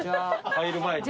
入る前に。